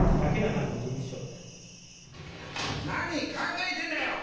何考えてんだよ！